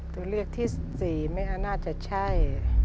ตัวเลือกที่๔ไม่น่าจะใช่